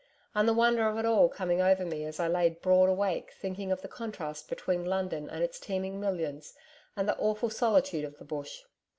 And the wonder of it all coming over me as I lay broad awake thinking of the contrast between London and its teeming millions and the awful solitude of the Bush....